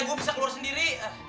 gue bisa keluar sendiri